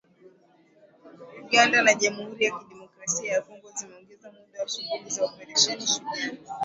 Uganda na jamhuri ya kidemokrasia ya Kongo zimeongeza muda wa shughuli za Oparesheni Shujaa